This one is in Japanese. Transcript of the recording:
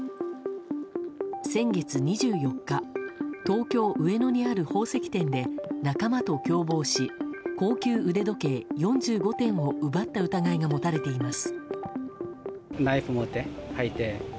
先月２４日東京・上野にある宝石店で仲間と共謀し高級腕時計４５点を奪った疑いが持たれています。